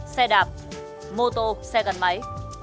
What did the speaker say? xe đạp mô tô xe gần máy